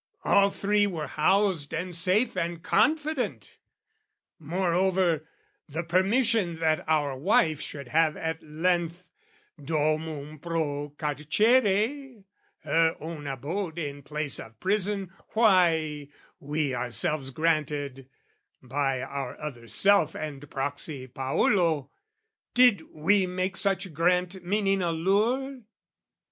All three were housed and safe and confident. Moreover, the permission that our wife Should have at length domum pro carcere, Her own abode in place of prison why, We ourselves granted, by our other self And proxy Paolo: did we make such grant, Meaning a lure?